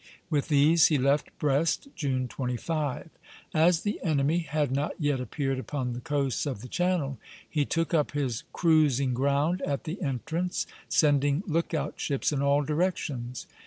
"With these he left Brest June 25. As the enemy had not yet appeared upon the coasts of the Channel, he took up his cruising ground at the entrance, sending lookout ships in all directions.